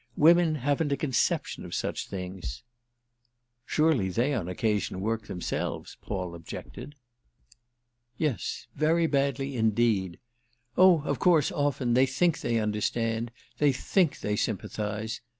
Women haven't a conception of such things." "Surely they on occasion work themselves," Paul objected. "Yes, very badly indeed. Oh of course, often, they think they understand, they think they sympathise.